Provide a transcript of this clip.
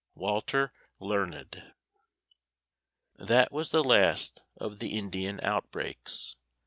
WALTER LEARNED. That was the last of the Indian outbreaks.